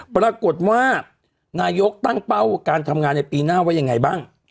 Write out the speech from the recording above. ปรากฏว่านายกตั้งเป้าการทำงานในปีหน้าว่ายังไงบ้าง